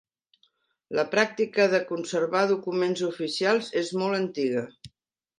La pràctica de conservar documents oficials és molt antiga.